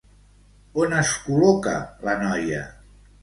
On es col·loca la noia?